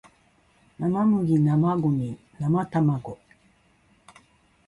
生麦生ゴミ生卵